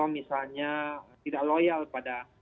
misalnya tidak loyal pada